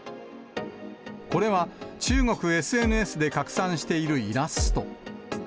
これは、中国ＳＮＳで拡散しているイラスト。